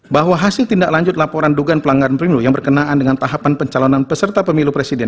bahwa hasil tindak lanjut laporan dugaan pelanggaran yang berkenaan dengan tahapan pencalonan peserta pemilu presiden